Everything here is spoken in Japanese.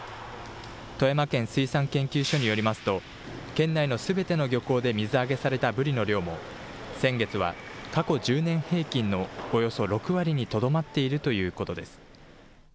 富山県水産研究所によりますと、県内のすべての漁港で水揚げされたブリの量も、先月は過去１０年平均のおよそ６割にとどまっているということです。